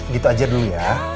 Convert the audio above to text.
gitu aja dulu ya